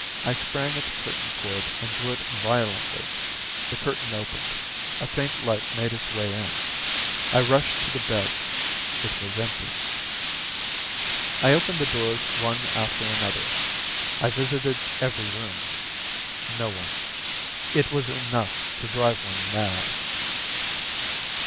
I sprang at the curtain cord and drew it violently. The curtain opened, a faint light made its way in. I rushed to the bed. It was empty. I opened the doors one after another. I visited every room. No one. It was enough to drive one mad.